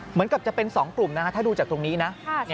เหมือนกับจะเป็น๒กลุ่มนะฮะถ้าดูจากตรงนี้นะ